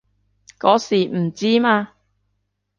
嗰時唔知嘛